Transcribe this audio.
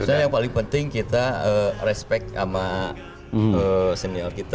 sebenarnya yang paling penting kita respect sama senior kita